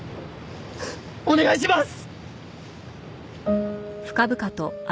お願いします！